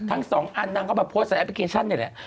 ทั้งสองอันนางก็มาโพสต์ในแอปพลิเคชันนี่แหละ